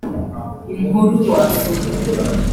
Inkuru wasoma